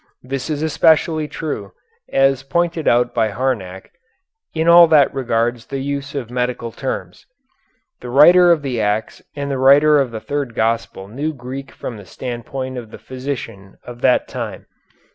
This is especially true, as pointed out by Harnack, in all that regards the use of medical terms. The writer of the Acts and the writer of the third gospel knew Greek from the standpoint of the physician of that time.